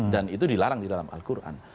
dan itu dilarang di dalam al quran